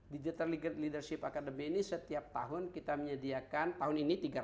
digital leadership academy ini setiap tahun kita menyediakan tahun ini tiga ratus